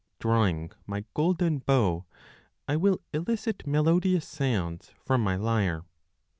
Drawing my golden bow, I will elicit melodious sounds from my lyre.